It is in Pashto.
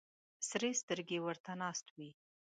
سرې سترګې ورته ناست وي.